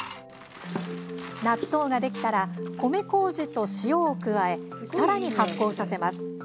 納豆ができたら米こうじと塩を加えさらに発酵させます。